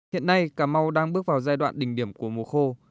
hiện nay cà mau đang bước vào giai đoạn đỉnh điểm của mùa khô